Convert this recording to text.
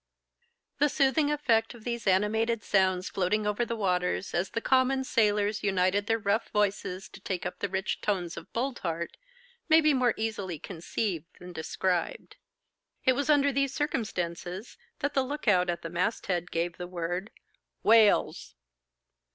The soothing effect of these animated sounds floating over the waters, as the common sailors united their rough voices to take up the rich tones of Boldheart, may be more easily conceived than described. It was under these circumstances that the look out at the masthead gave the word, 'Whales!